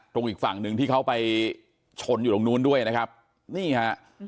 อีกฝั่งหนึ่งที่เขาไปชนอยู่ตรงนู้นด้วยนะครับนี่ฮะ